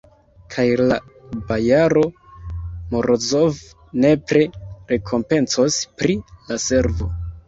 Kaj la bojaro Morozov nepre rekompencos pri la servo.